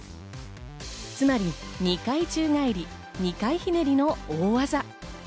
つまり２回宙返り、２回ひねりの大技。